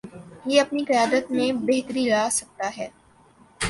یہ اپنی قیادت میں بہتری لاسکتا ہے۔